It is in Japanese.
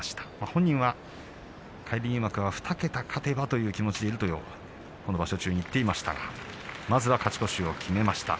本人は返り入幕は２桁勝てばという気持ちでいるとこの場所中に言っていましたがまずは勝ち越しを決めました。